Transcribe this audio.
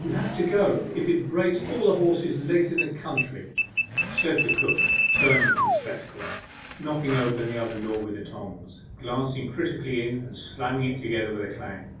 'You'll have to go if it breaks all the horses' legs in the county,' said the cook, turning from the spectacle, knocking open the oven door with the tongs, glancing critically in, and slamming it together with a clang.